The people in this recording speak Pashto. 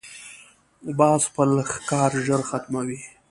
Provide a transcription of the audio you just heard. باز خپل ښکار ژر ختموي